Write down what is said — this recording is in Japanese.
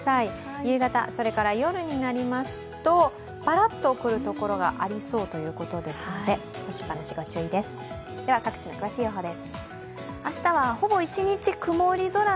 夕方、夜になりますとパラッと来るところがありそうということですので、干しっぱなし、ご注意です。